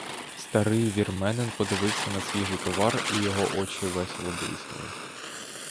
Старий вірменин подивився на свіжий товар, і його очі весело блиснули.